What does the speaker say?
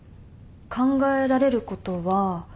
考えられることは。